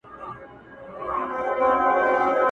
تیارو د بیلتانه ته به مي بېرته رڼا راسي!